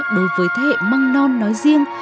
đối với thế hệ măng non nói riêng